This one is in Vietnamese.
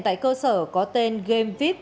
tại cơ sở có tên gamevip